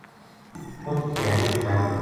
اُت دھیاڑی گزاری